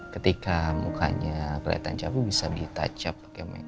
ketika mukanya kelihatan capek bisa ditacak pakai makeup